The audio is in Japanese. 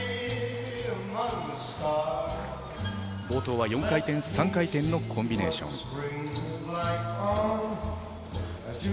冒頭は４回転、３回転のコンビネーション。